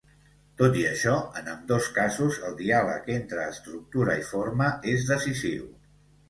Tot i això, en ambdós casos, el diàleg entre estructura i forma és decisiu.